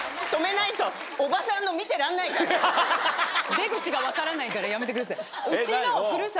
出口が分からないからやめてください。